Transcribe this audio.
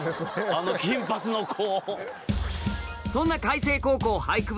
あの金髪の子。